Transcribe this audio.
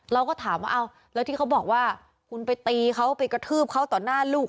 เราก็ถามว่าเอาแล้วที่เขาบอกว่าคุณไปตีเขาไปกระทืบเขาต่อหน้าลูก